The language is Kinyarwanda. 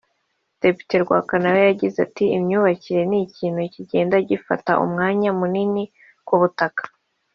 Depite Rwaka nawe yagize ati “Imyubakire ni ikintu kigenda gifata umwanya munini ku butaka